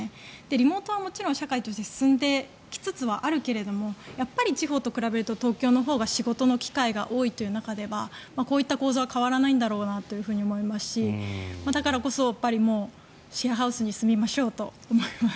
リモートはもちろん社会として進んできつつはあるけれどもやっぱり地方と比べると東京のほうが仕事の機会が多いという中ではこういった構図は変わらないんだろうなと思いますしだからこそ、やっぱりシェアハウスに住みましょうと思います。